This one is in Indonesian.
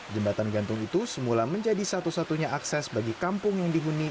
jembatan gantung itu semula menjadi satu satunya akses bagi kampung yang dihuni